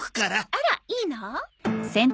あらいいの？